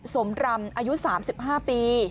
สมรำอายุ๓๕ปี